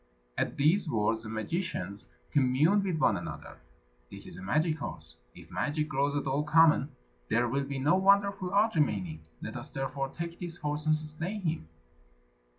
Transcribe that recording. At these words the magicians communed with one another. "This is a magic horse; if magic grow at all common, there will be no wonderful art remaining. Let us, therefore, take this horse and slay him."